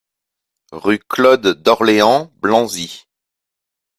Rue Claude Dorleans, Blanzy